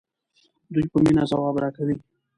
دوی په مینه ځواب راکوي.